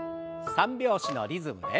３拍子のリズムで。